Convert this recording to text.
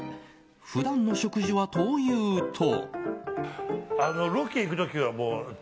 普段の食事はというと。